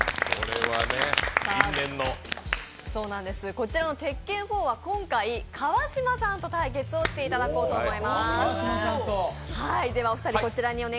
こちらの「鉄拳４」は川島さんと対決していただこうと思います。